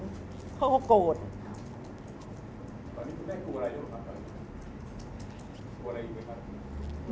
ตอนนี้แม่กลัวอะไรด้วยครับตอนนี้กลัวอะไรอยู่ด้วยครับ